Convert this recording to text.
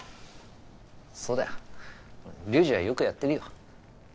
そうだよ隆治はよくやってるよ。